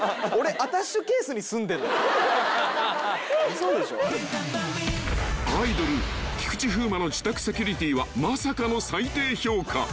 ［アイドル菊池風磨の自宅セキュリティーはまさかの最低評価］